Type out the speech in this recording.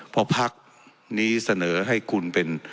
เพราะภักษณ์นี้เสนอให้คุณเป็น